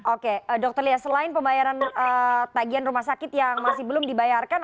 oke dokter lia selain pembayaran tagihan rumah sakit yang masih belum dibayarkan